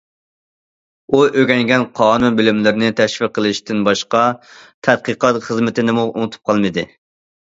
ئۇ ئۆگەنگەن قانۇن بىلىملىرىنى تەشۋىق قىلىشتىن باشقا، تەتقىقات خىزمىتىنىمۇ ئۇنتۇپ قالمىدى.